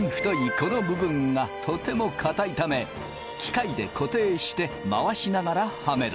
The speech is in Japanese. この部分がとても固いため機械で固定して回しながらはめる。